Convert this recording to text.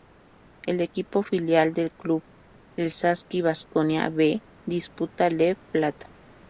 El equipo filial del club, el Saski Baskonia "B", disputa Leb Plata.